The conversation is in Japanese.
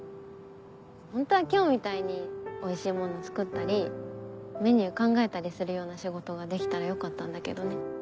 ホントは今日みたいにおいしいもの作ったりメニュー考えたりするような仕事ができたらよかったんだけどね。